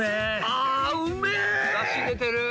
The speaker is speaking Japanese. あうめえ！だし出てる。